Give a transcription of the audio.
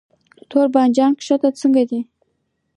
د تور بانجان کښت څنګه دی؟